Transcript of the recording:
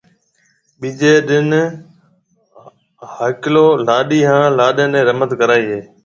ٻيجيَ ڏِن ھاڪݪو لاڏَي ھان لاڏِي نيَ رمت ڪرائيَ ھيََََ